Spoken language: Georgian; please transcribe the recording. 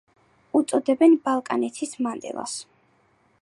უწოდებენ „ბალკანეთის მანდელას“.